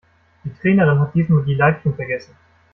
Die Trainerin hat diesmal die Leibchen vergessen.